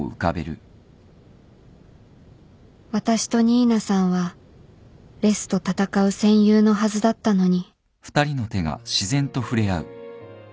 私と新名さんはレスと闘う戦友のはずだったのに